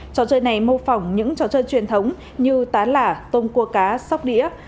trò chơi này mô phỏng những trò chơi truyền thống như tán lả tôm cua cá sóc đĩa